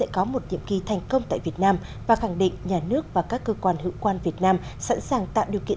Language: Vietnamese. công tại việt nam và khẳng định nhà nước và các cơ quan hữu quan việt nam sẵn sàng tạo điều kiện